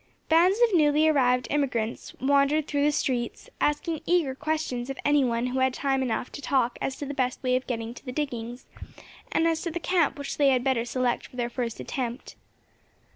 Bands of newly arrived emigrants wandered through the streets, asking eager questions of any one who had time enough to talk as to the best way of getting to the diggings, and as to the camp which they had better select for their first attempt.